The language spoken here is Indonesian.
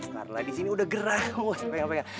karla di sini udah gerak